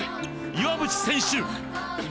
岩渕選手！